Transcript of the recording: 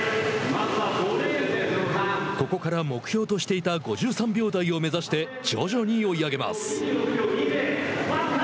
ここから目標としていた５３秒台を目指して徐々に追い上げます。